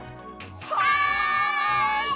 はい！